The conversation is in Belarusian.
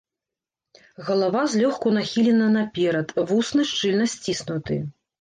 Галава злёгку нахілена наперад, вусны шчыльна сціснуты.